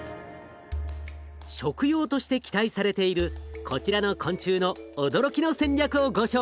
食用として期待されているこちらの昆虫の驚きの戦略をご紹介します。